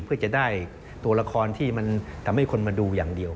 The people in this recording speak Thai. เพื่อจะได้ตัวละครที่มันทำให้คนมาดูอย่างเดียว